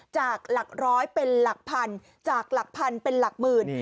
จากหลักร้อยเป็นหลักพันจากหลักพันเป็นหลักหมื่น